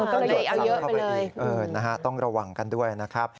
ก็เลยเอาเยอะไปเลยต้องระวังกันด้วยนะครับ